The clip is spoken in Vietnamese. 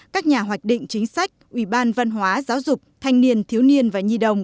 các nhà hoạch định chính sách ủy ban văn hóa giáo dục thanh niên thiếu niên và nhi đồng